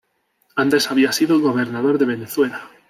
Antes había sido gobernador de Venezuela.